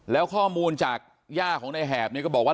แล้วข้อมูลจากย่าของในแหบเนี่ยก็บอกว่า